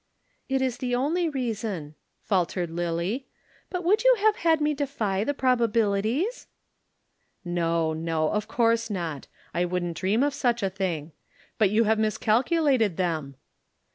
"It is the only reason," faltered Lillie. "But would you have had me defy the probabilities?" "No, no, of course not. I wouldn't dream of such a thing. But you have miscalculated them!"